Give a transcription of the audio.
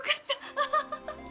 アハハハ。